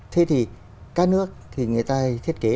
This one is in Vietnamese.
thế thì các nước thì người ta thiết kế